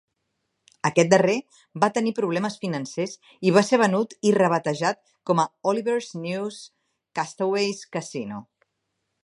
Aquest darrer va tenir problemes financers i va ser venut i rebatejat com a Oliver's New Castaways Casino.